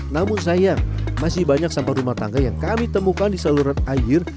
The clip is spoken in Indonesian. namun sayang masih banyak sampah rumah tangga yang kami temukan di saluran air